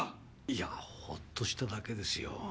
いやホッとしただけですよ。